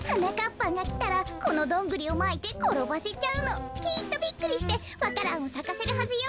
ぱんがきたらこのドングリをまいてころばせちゃうの。きっとびっくりしてわか蘭をさかせるはずよ。